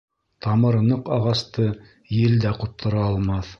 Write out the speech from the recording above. Тамыры ныҡ ағасты ел дә ҡуптара алмаҫ.